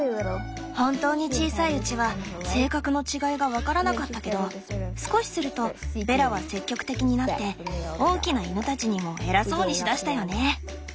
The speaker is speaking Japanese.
本当に小さいうちは性格の違いが分からなかったけど少しするとベラは積極的になって大きな犬たちにも偉そうにしだしたよね。